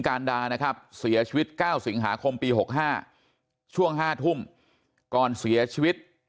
การดานะครับเสียชีวิต๙สิงหาคมปี๖๕ช่วง๕ทุ่มก่อนเสียชีวิต